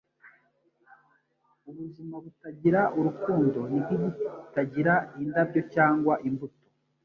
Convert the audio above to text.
Ubuzima butagira urukundo ni nk'igiti kitagira indabyo cyangwa imbuto.”